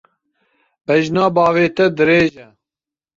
Bejna bavê te dirêj e.